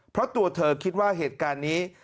เพราะตัวเธอคิดว่าเหตุการณ์นี้